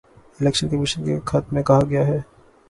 election commission کے خط میں کہا گیا ہے